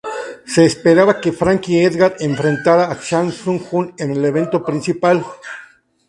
Se esperaba que Frankie Edgar enfrentara a Chan Sung Jung en el evento principal.